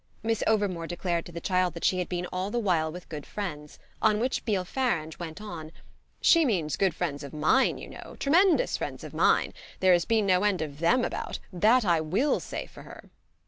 Miss Overmore declared to the child that she had been all the while with good friends; on which Beale Farange went on: "She means good friends of mine, you know tremendous friends of mine. There has been no end of THEM about that I WILL say for her!"